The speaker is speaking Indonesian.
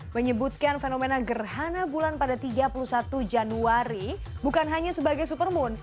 menyebutkan fenomena gerhana bulan pada tiga puluh satu januari bukan hanya sebagai supermoon